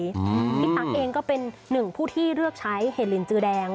พี่ตั๊กเองก็เป็นหนึ่งผู้ที่เลือกใช้เห็ดลินจือแดง